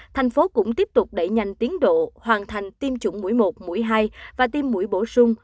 thành phố cũng tiếp tục đẩy nhanh tiến độ hoàn thành tiêm chủng mũi một mũi hai và tiêm mũi bổ sung